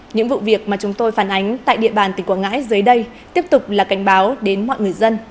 những vụ việc mà chúng tôi phản ánh tại địa bàn tỉnh quảng ngãi dưới đây tiếp tục là cảnh báo đến mọi người dân